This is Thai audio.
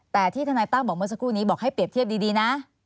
แต่ที่ทนายตั้มบอกเมื่อสักครู่นี้บอกให้เปรียบเทียบดีนะ